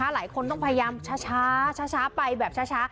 หลายคนต้องพยายามช้าไปแบบช้า